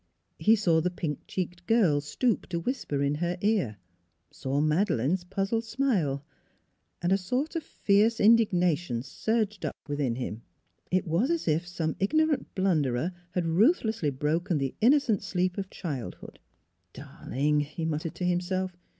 He saw the pink cheeked girl stoop to whisper in her ear; saw Madeleine's puzzled smile. And a sort of fierce indignation surged up within him. 264 NEIGHBORS It was as if some ignorant blunderer had ruthlessly broken the innocent sleep of childhood. "Darling!" he muttered to himself.